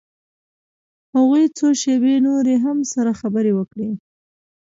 هغوى څو شېبې نورې هم سره خبرې وکړې.